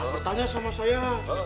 bertanya sama saya